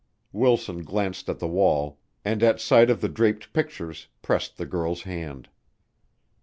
Wilson glanced at the wall, and at sight of the draped pictures pressed the girl's hand.